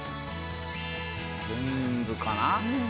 全部かな？